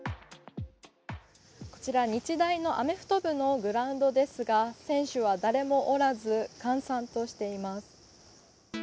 こちら、日大のアメフト部のグラウンドですが、選手は誰もおらず、閑散としています。